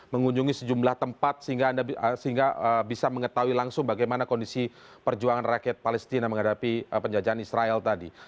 mengunjungi sejumlah tempat sehingga bisa mengetahui langsung bagaimana kondisi perjuangan rakyat palestina menghadapi penjajahan israel tadi